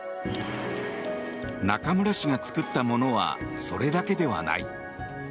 中村氏が作ったものはそれだけではない。